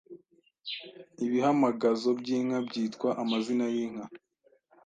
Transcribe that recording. Ibihamagazo by’inka byitwa Amazina y’inka